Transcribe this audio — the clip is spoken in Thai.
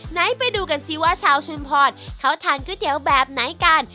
ไหนไปดูกันสิว่าชาวชุมพรเขาทานก๋วยเตี๋ยวแบบไหนกัน